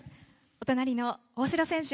お隣の大城選手